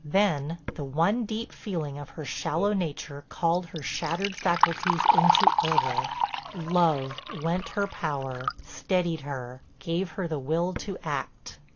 Then the one deep feeling of her shallow nature called her shattered faculties into order. Love lent her power, steadied her, gave her the will to act.